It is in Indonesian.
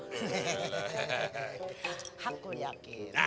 kalau thr pasti nolnya banyak